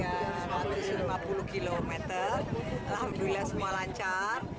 alhamdulillah semua lancar